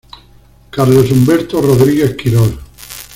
Carlos Humberto Rodríguez Quirós.